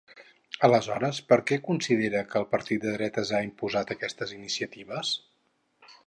Aleshores, per què considera que el partit de dretes ha imposat aquestes iniciatives?